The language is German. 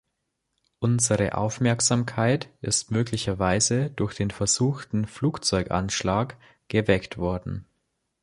Unsere Aufmerksamkeit ist möglicherweise durch den versuchten Flugzeuganschlag geweckt worden.